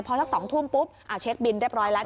พอสัก๒ทุ่มปุ๊บเช็คบินเรียบร้อยแล้ว